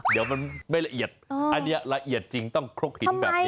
เดี๋ยวมันไม่ละเอียดอันนี้ละเอียดจริงต้องครกหินแบบนี้